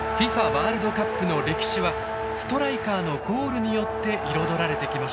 ワールドカップの歴史はストライカーのゴールによって彩られてきました。